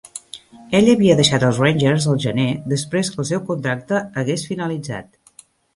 Ell havia deixat els Rangers el gener després que el seu contracte hagués finalitzat.